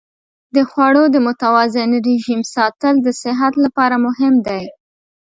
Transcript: د خوړو د متوازن رژیم ساتل د صحت لپاره مهم دی.